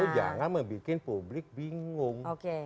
jangan membuat publik bingung